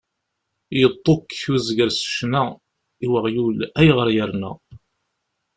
Yeṭṭukkek uzger s ccna; i weɣyul, ayɣer yerna?